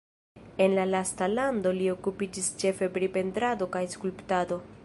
En la lasta lando li okupiĝis ĉefe pri pentrado kaj skulptado.